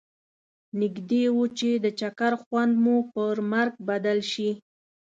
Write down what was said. نږدي و چې د چکر خوند مو پر مرګ بدل شي.